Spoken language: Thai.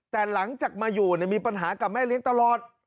แต่หลังจากมาอยู่มีปัญหากับแม่เลี้ยงตลอด